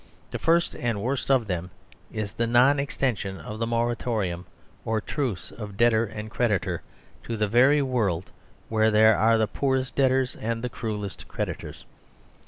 The first, and worst of them, is the non extension of the Moratorium, or truce of debtor and creditor, to the very world where there are the poorest debtors and the cruellest creditors.